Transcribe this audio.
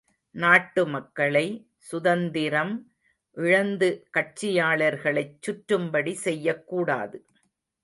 நாட்டுமக்களை, சுதந்திரம் இழந்து கட்சியாளர்களைச் சுற்றும்படி செய்யக்கூடாது.